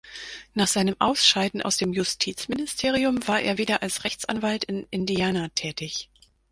Nach seinem Ausscheiden aus dem Justizministerium war er wieder als Rechtsanwalt in Indiana tätig.